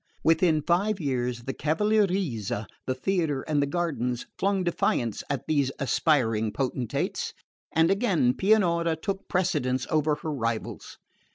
Within five years the "cavallerizza," the theatre and the gardens flung defiance at these aspiring potentates; and again Pianura took precedence of her rivals.